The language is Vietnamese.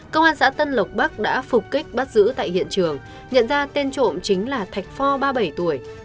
công an xã tân lộc bắc đã phục kích bắt giữ tại hiện trường nhận ra tên trộm chính là thạch phò ba mươi bảy tuổi